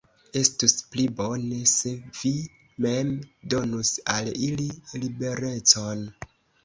Estus pli bone, se vi mem donus al ili liberecon.